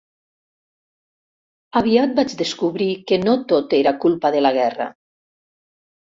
Aviat vaig descobrir que no tot era culpa de la guerra.